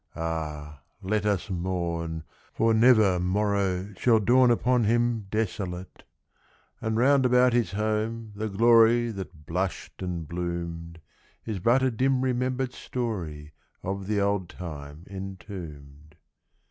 (Ah, let us mourn! for never morrow Shall dawn upon him desolate !) And round about his home the glory That blushed and bloomed, Is but a dim remembered story Of the old time entombed.